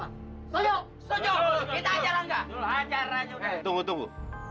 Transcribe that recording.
hai sojo sojo kita jalan jalan tunggu tunggu